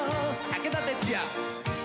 「武田鉄矢」